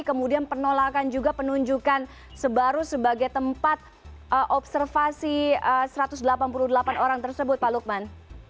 kemudian penolakan juga penunjukan sebaru sebagai tempat observasi satu ratus delapan puluh delapan orang tersebut pak lukman